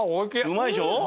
うまいでしょ？